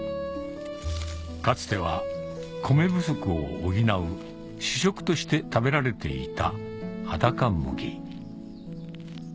かつては米不足を補う主食として食べられていたはだか麦